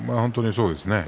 そうですね